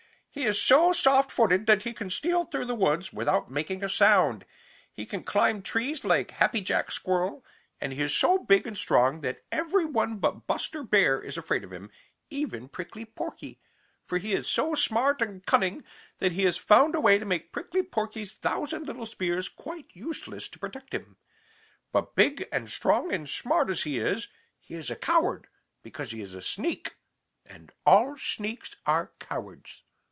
He is so soft footed that he can steal through the woods without making a sound; he can climb trees like Happy Jack Squirrel, and he is so big and strong that every one but Buster Bear is afraid of him, even Prickly Porky, for he is so smart and cunning that he has found a way to make Prickly Porky's thousand little spears quite useless to protect him. But big and strong and smart as he is, he is a coward because he is a sneak, and all sneaks are cowards.